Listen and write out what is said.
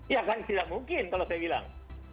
ya kan tidak mungkin kalau saya bilang